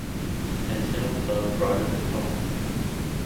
Antennal club broader than tall.